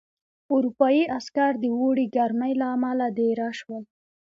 اروپايي عسکر د اوړي ګرمۍ له امله دېره شول.